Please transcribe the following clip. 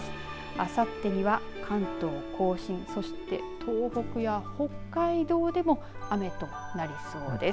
あさってには関東甲信そして東北や北海道でも雨となりそうです。